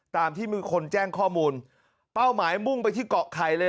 ตามที่มีคนแจ้งข้อมูลเป้าหมายมุ่งไปที่เกาะไข่เลย